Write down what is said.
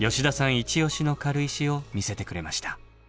一押しの軽石を見せてくれました。